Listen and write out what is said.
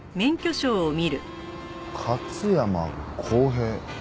「勝山康平」。